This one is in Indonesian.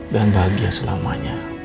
dan bahagia selamanya